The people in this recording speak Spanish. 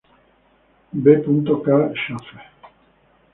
B. Carl Schäfer.